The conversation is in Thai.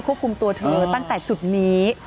คุมตัวเธอตั้งแต่จุดนี้